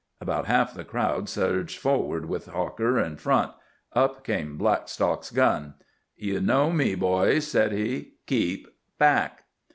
About half the crowd surged forward with Hawker in front. Up came Blackstock's gun. "Ye know me, boys," said he. "Keep back."